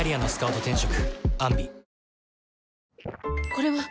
これはっ！